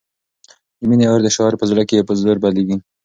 د مینې اور د شاعر په زړه کې په زور بلېږي.